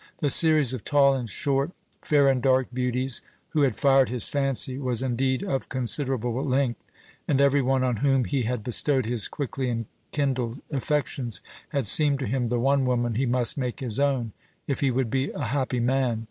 The series of tall and short, fair and dark beauties who had fired his fancy was indeed of considerable length, and every one on whom he had bestowed his quickly kindled affections had seemed to him the one woman he must make his own, if he would be a happy man.